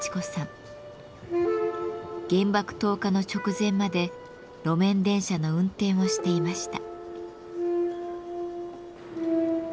原爆投下の直前まで路面電車の運転をしていました。